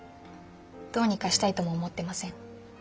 どうにかしたいとも思ってません。